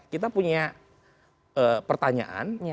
kita punya pertanyaan